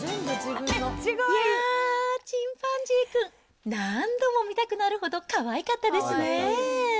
いやー、チンパンジーくん、何度も見たくなるほどかわいかったですね。